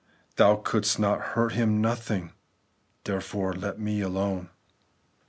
Thou couldst hurt Him nothing ; therefore let me alone. .